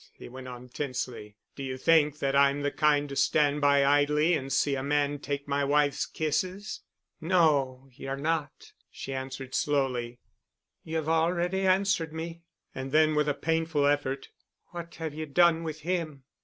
he went on tensely. "Do you think that I'm the kind to stand by idly and see a man take my wife's kisses?" "No. You're not," she answered slowly. "You've already answered me." And then, with a painful effort, "What have you done with him?"